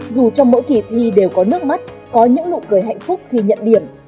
dù trong mỗi kỳ thi đều có nước mắt có những nụ cười hạnh phúc khi nhận điểm